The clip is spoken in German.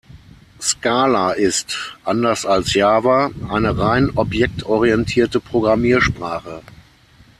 Scala ist, anders als Java, eine rein objektorientierte Programmiersprache.